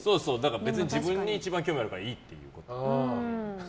別に自分に一番興味あるからいいっていう。